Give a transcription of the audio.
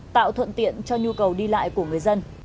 tạo thuận tiện cho nhu cầu đi lại của người dân